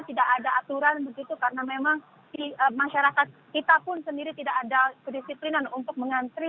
tidak ada aturan begitu karena memang masyarakat kita pun sendiri tidak ada kedisiplinan untuk mengantri